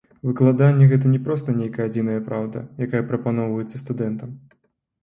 Выкладанне гэта не проста нейкая адзіная праўда, якая прапаноўваецца студэнтам.